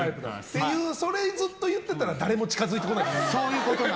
それ、ずっと言ってたら誰も近づいてこないですよ。